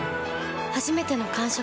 初めての感触。